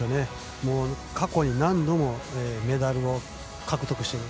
過去に何度もメダルを獲得している。